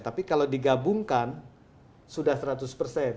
tapi kalau digabungkan sudah seratus persen